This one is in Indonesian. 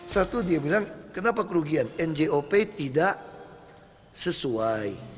satu dia bilang kenapa kerugian njop tidak sesuai